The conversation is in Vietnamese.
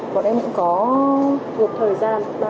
bọn em cũng có gục thời gian